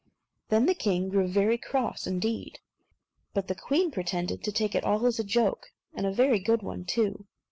Then the king grew very cross indeed. But the queen pretended to take it all as a joke, and a very good one too.